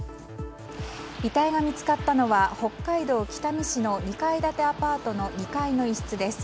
遺体が見つかったのは北海道北見市の２階建てアパートの２階の一室です。